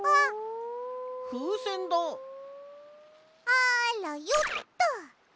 あらよっと！